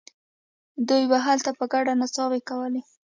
دوی به هلته په ګډه نڅاوې کولې.